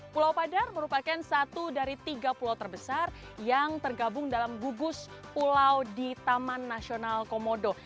pulau padar merupakan satu dari tiga pulau terbesar yang tergabung dalam gugus pulau di taman nasional komodo